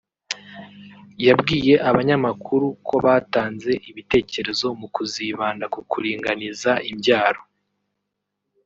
yabwiye abanyamakuru ko batanze ibitekerezo mu kuzibanda ku kuringaniza imbyaro